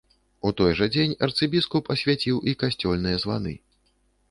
У той жа дзень арцыбіскуп асвяціў і касцёльныя званы.